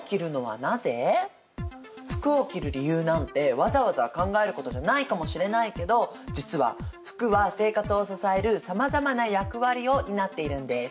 服を着る理由なんてわざわざ考えることじゃないかもしれないけど実は服は生活を支えるさまざまな役割を担っているんです。